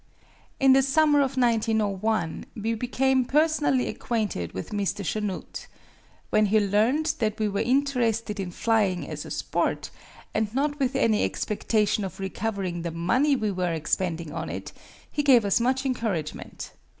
In the summer of 1901 we became personally acquainted with Mr. Chanute. When he learned that we were interested in flying as a sport, and not with any expectation of recovering the money we were expending on it, he gave us much encouragement.